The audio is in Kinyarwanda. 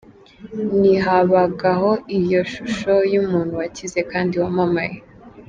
Ntihabagaho iyo shusho y’umuntu wakize kandi wamamaye.